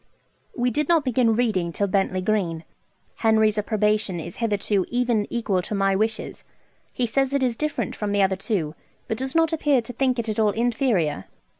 We did not begin reading till Bentley Green. Henry's approbation is hitherto even equal to my wishes. He says it is different from the other two, but does not appear to think it at all inferior.